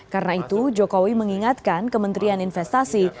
karena itu jokowi mengingatkan kementerian investasi